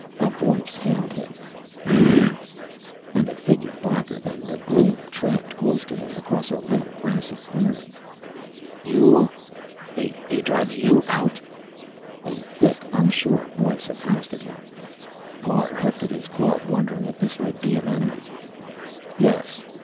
A voice hailed him: "Hah!" And a figure, blacker than the gloom, tramped close to him across a little grassy clearing. "You! They drive you out?" a thick, unsure voice accosted him. Parr hefted his club, wondering if this would be an enemy. "Yes.